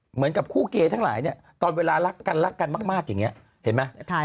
เหมือนกับคู่เกย์ทั้งหลายเนี่ยตอนเวลารักกันรักกันมากอย่างนี้เห็นไหม